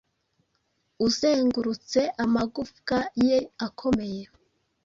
Uzengurutse amagufwa ye akomeye.